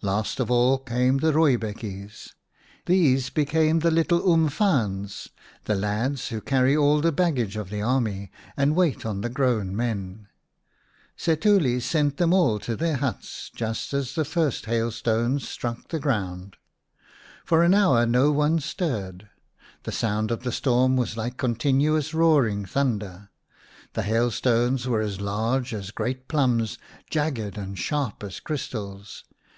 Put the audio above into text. Last of all came the rooibekkies. These became the little umfaans, the lads who carry all the baggage of the army and wait on the grown men. Setuli sent them all to their huts just as the first hailstones struck the ground. For an hour no one stirred. The sound of the storm was like continuous roaring thunder ; the hailstones were as large as great plums, jagged and sharp as crystals.